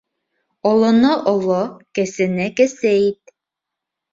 Олоно оло, кесене кесе ит.